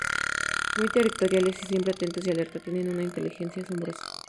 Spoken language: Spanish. Muy territoriales y siempre atentos y alerta, tienen una inteligencia asombrosa.